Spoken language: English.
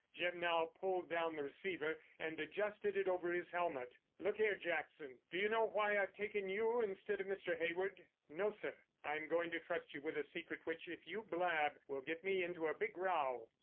Jim now pulled down the receiver and adjusted it over his helmet. "Look here, Jackson! Do you know why I've taken you instead of Mr. Hayward?" "No, sir." "I'm going to trust you with a secret which, if you blab, will get me into a big row."